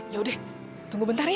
ya udah tunggu bentar ya